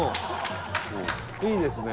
いいですね。